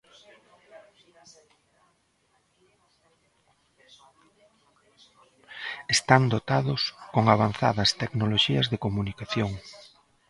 Están dotados con avanzadas tecnoloxías de comunicación.